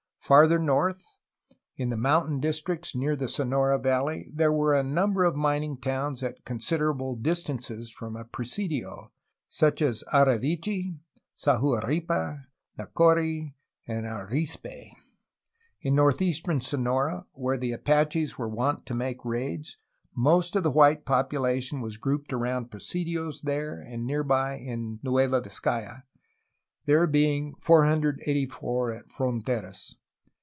Farther north, in the mountain districts near the Sonora valley, there were a number of mining towns at considerable dis tances from a presidio, such as Ari vechi, Sahuaripa, Nacori, and Arispe. In northeastern Sonora, where the Apaches were wont to make raids, most of the white population was grouped around presidios there and near by in Nueva Vizcaya, there being 484 at Fronteras.